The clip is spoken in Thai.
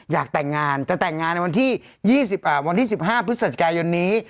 อยากแต่งงานจะแต่งงานในวันที่๑๕พฤศจิกายนนี้